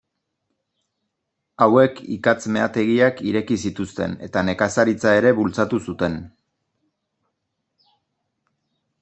Hauek ikatz meategiak ireki zituzten eta nekazaritza ere bultzatu zuten.